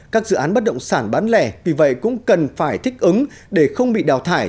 các dự án bất động sản bán lẻ vì vậy cũng cần phải thích ứng để không bị đào thải